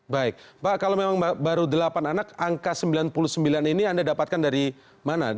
baik pak kalau memang baru delapan anak angka sembilan puluh sembilan ini anda dapatkan dari mana